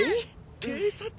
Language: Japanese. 警察。